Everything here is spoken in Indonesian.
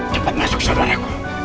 cepat masuk saudaraku